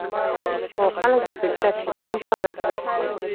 خو خلک له فیلټر شکن کار اخلي.